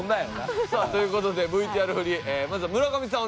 さあという事でＶＴＲ振りまずは村上さん